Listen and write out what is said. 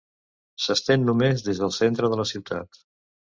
S'estén només des del centre de la ciutat.